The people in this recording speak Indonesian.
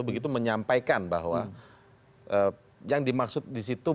itu begitu menyampaikan bahwa yang dimaksud disitu